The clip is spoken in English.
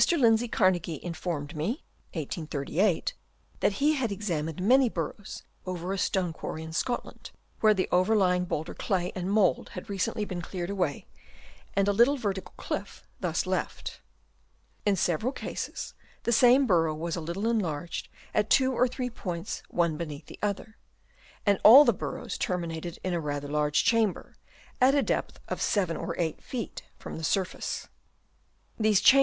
Lindsay Carnagie informed me (1838) that he had examined manv burrows over a stone i/ quarry in Scotland, where the overlying boulder clay and mould had recently been cleared away, and a little vertical cliff thus left. In several cases the same burrow was a little enlarged at two or three points one beneath the other ; and all the burrows ter minated in a rather large chamber, at a depth of 7 or 8 feet from the surface. These cham Chap. II.